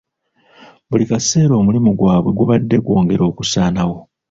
Buli kaseera omulimu gwabwe gubadde gwongera okusaanawo.